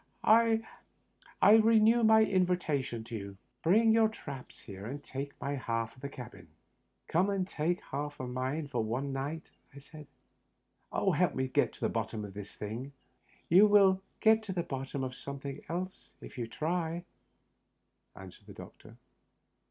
I renew my invitation to you. Bring your traps here, and take half my cabin." " Come and take half of mine for one night," I said. " Help me to get at the bottom of this thing." " You wiU get to the bottom of something else if you try," answered the doctor.